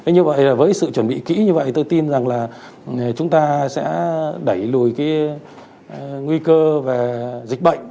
như vậy là với sự chuẩn bị kỹ như vậy tôi tin rằng là chúng ta sẽ đẩy lùi cái nguy cơ về dịch bệnh